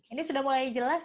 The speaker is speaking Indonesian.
ini sudah mulai jelas